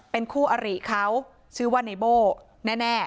เป็นคู่อริเขาชื่อว่าในโบ้แน่